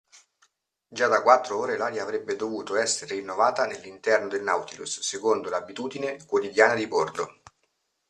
Già da quattro ore l'aria avrebbe dovuto essere rinnovata nell'interno del Nautilus secondo l'abitudine quotidiana di bordo.